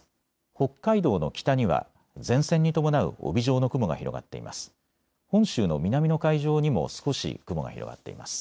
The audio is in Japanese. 北海道の北には前線に伴う帯状の雲が広がっています。